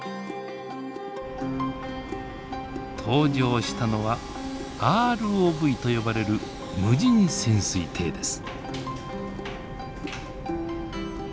登場したのはＲＯＶと呼ばれる無人潜水艇です。